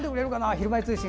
「ひるまえ通信」